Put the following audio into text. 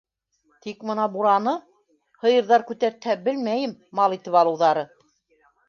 - Тик мына бураны... һыйырҙар күтәртһә, белмәйем, мал итеп алыуҙары...